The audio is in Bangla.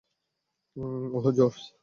ওহ, জর্জ।